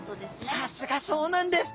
さすがそうなんです！